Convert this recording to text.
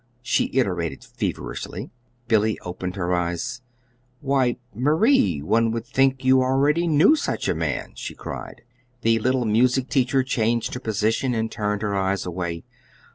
she iterated feverishly. Billy opened wide her eyes. "Why, Marie, one would think you already knew such a man," she cried. The little music teacher changed her position, and turned her eyes away.